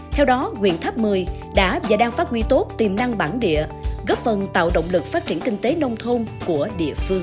theo đó huyện tháp mười đã và đang phát huy tốt tiềm năng bản địa góp phần tạo động lực phát triển kinh tế nông thôn của địa phương